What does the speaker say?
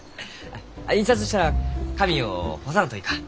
印刷したら紙を干さんといかん。